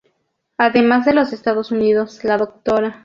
Además de los Estados Unidos, la Dra.